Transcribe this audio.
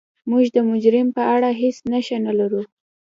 موږ د مجرم په اړه هیڅ نښه نلرو.